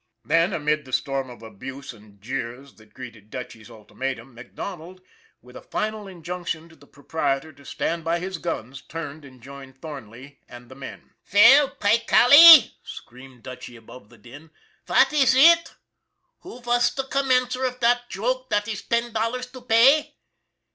Then, amid the storm of abuse and jeers that greeted Dutchy's ultimatum, MacDonald, with a THE REBATE 305 final injunction to the proprietor to stand by his guns, turned and joined Thornley and the men. " Veil, py golly !" screamed Dutchy above the din. " Vat iss it? Who was der commencer of dot joke dot iss ten dollars to pay?